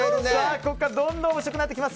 ここからどんどん面白くなっていきます。